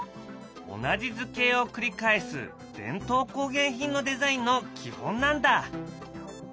同じ図形を繰り返す伝統工芸品のデザインの基本なんだ。